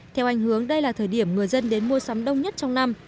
theo anh hướng đây là thời điểm người dân đến mua sắm đông nhất trong năm